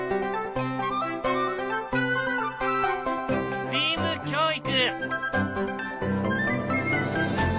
ＳＴＥＡＭ教育。